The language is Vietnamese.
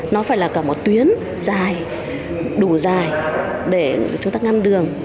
nó phải là cả một tuyến dài đủ dài để chúng ta ngăn đường